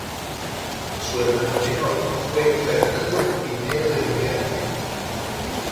Su hermano menor fue Fernando I de Bulgaria.